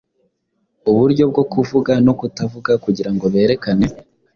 uburyo bwo kuvuga no kutavuga kugirango berekane